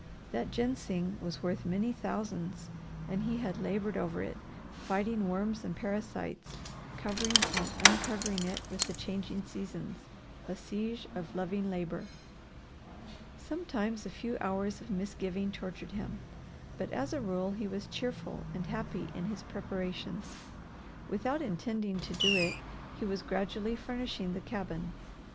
That ginseng was worth many thousands and he had laboured over it, fighting worms and parasites, covering and uncovering it with the changing seasons, a siege of loving labour. Sometimes a few hours of misgiving tortured him, but as a rule he was cheerful and happy in his preparations. Without intending to do it he was gradually furnishing the cabin.